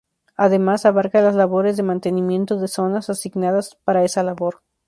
Además abarca las labores de mantenimiento de las zonas asignadas para esa labor.